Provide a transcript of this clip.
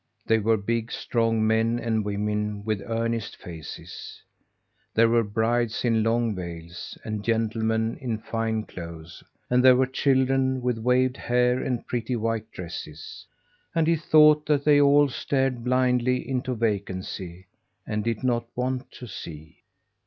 They were big, strong men and women with earnest faces. There were brides in long veils, and gentlemen in fine clothes; and there were children with waved hair and pretty white dresses. And he thought that they all stared blindly into vacancy and did not want to see.